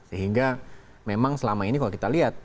sehingga memang selama ini kalau kita lihat